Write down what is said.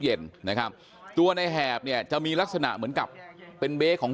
เย็นนะครับตัวในแหบเนี่ยจะมีลักษณะเหมือนกับเป็นเบ๊ของ